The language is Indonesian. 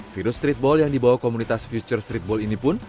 video streetball yang dibawa komunitas future streetball ini pun